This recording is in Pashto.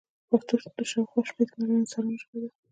پښتو د شاوخوا شپيته ميليونه انسانانو ژبه ده.